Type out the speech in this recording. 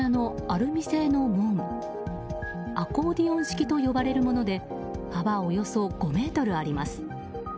アコーディオン式と呼ばれるもので幅およそ５ｍあります。